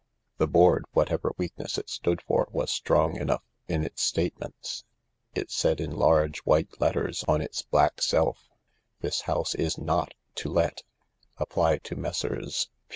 The board, whatever weakness it stood for, was strong enough in its statements. It said in large white letters on its black self: THIS HOUSE IS NOT TO LET, Apply to : Messrs.